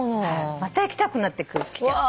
また行きたくなってきちゃう。